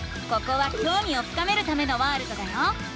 ここはきょうみを深めるためのワールドだよ。